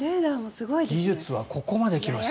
技術はここまで来ました。